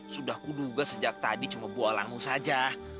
sudah kuduga sejak tadi cuma buah langmu saja